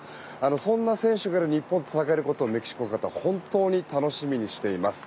そんな選手がいる日本と戦えることをメキシコの方は本当に楽しみにしています。